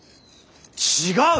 違う！